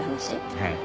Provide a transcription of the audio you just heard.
はい。